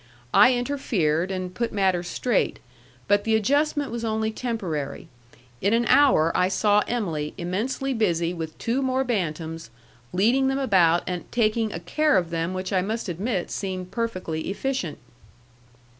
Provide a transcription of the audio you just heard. I interfered, and put matters straight; but the adjustment was only temporary. In an hour I saw Em'ly immensely busy with two more bantams, leading them about and taking a care of them which I must admit seemed perfectly efficient.